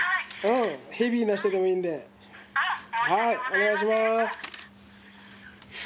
お願いします。